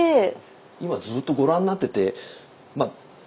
今ずっとご覧になってて。